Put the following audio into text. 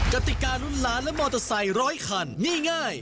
กติการุ่นล้านและมอเตอร์ไซค์ร้อยคันนี่ง่าย